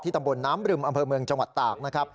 ที่ตำบลน้ำริมอำเภอเมืองจังหวัดตาก